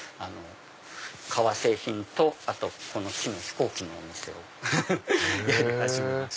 革製品と木の飛行機のお店をやり始めました。